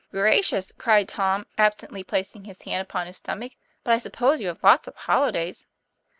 'Gracious!" cried Tom, absently placing his hand upon his stomach. " But I suppose you have lots of holidays?"